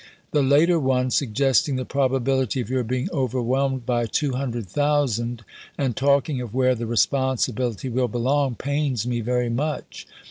The later one ... suggesting the probabihty of your being overwhelmed by 200,000, and talking of where the responsibUity will belong, pains me very much.